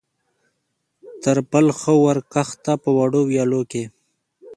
تر پل ښه ور کښته، په وړو ویالو کې.